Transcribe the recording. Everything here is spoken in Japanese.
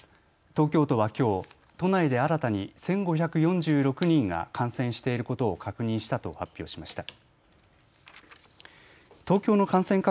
東京都はきょう都内で新たに１５４６人が感染していることを確認したと発表しました。